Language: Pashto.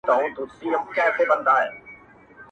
o هر څوک خپله کيسه وايي تل,